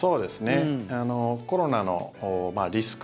コロナのリスク